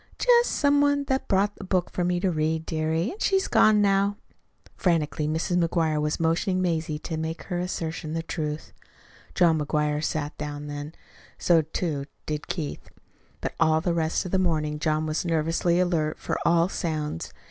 "Just some one that brought a book to me, dearie, an' she's gone now." Frantically Mrs. McGuire was motioning Mazie to make her assertion the truth. John McGuire sat down then. So, too, did Keith. But all the rest of the morning John was nervously alert for all sounds.